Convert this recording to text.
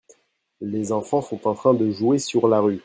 Les enfant sont en train de jouer sur la rue.